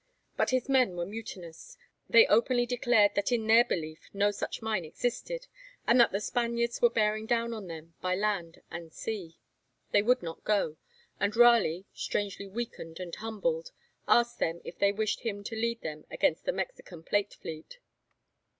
But his men were mutinous; they openly declared that in their belief no such mine existed, and that the Spaniards were bearing down on them by land and sea. They would not go; and Raleigh, strangely weakened and humbled, asked them if they wished him to lead them against the Mexican plate fleet.